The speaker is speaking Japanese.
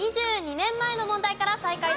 ２２年前の問題から再開です。